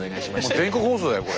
全国放送だよこれ。